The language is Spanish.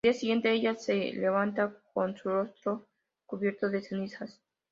Al día siguiente, ella se levanta con su rostro cubierto de cenizas.